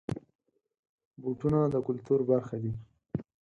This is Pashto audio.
بوټونه د کلتور برخه دي.